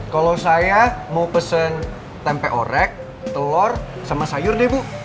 kalau saya mau pesen tempe orek telur sama sayur deh bu